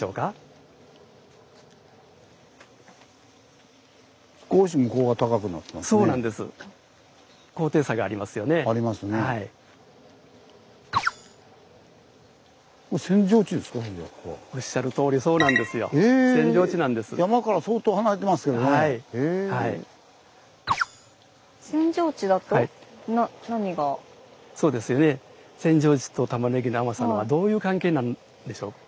そうですよね扇状地とたまねぎの甘さにはどういう関係なんでしょうか。